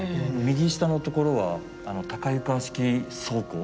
右下のところは高床式倉庫。